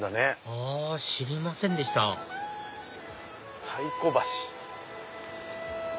あ知りませんでした「太鼓橋」。